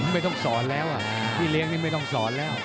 ไม่ต้องสอนแล้วพี่เลี้ยงนี่ไม่ต้องสอนแล้ว